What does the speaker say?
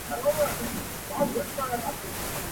هسي ویني بهېدلې له پرهاره.